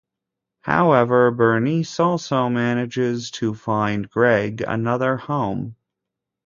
However, Bernice also manages to find Greg another home.